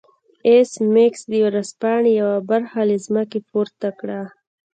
ایس میکس د ورځپاڼې یوه برخه له ځمکې پورته کړه